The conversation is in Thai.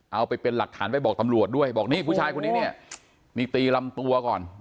เอาไปเป็นหลักฐานไปบอกตำรวจด้วยบอกนี่ผู้ชายคนนี้เนี่ยนี่ตีลำตัวก่อน